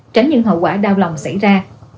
tránh những hậu quả đau lòng xảy ra